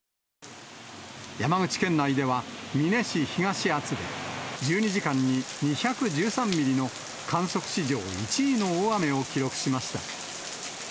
山口県内では美祢市東厚保で、１２時間に２１３ミリの観測史上１位の大雨を記録しました。